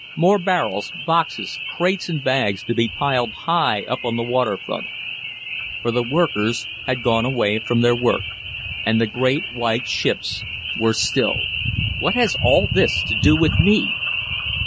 More barrels, boxes, crates and bags to be piled high up on the waterfront. For the workers had gone away from their work, and the great white ships were still. "What has all this to do with me?"